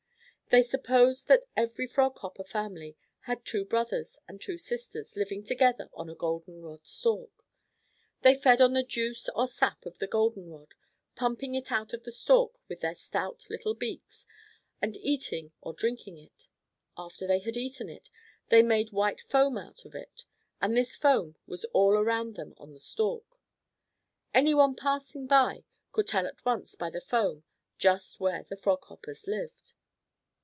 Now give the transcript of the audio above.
They supposed that every Frog Hopper family had two brothers and two sisters living together on a golden rod stalk. They fed on the juice or sap of the golden rod, pumping it out of the stalk with their stout little beaks and eating or drinking it. After they had eaten it, they made white foam out of it, and this foam was all around them on the stalk. Any one passing by could tell at once by the foam just where the Frog Hoppers lived.